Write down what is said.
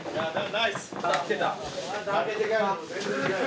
ナイス！